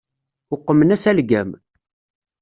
Uqmen-as algam.